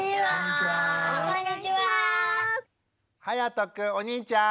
はやとくん！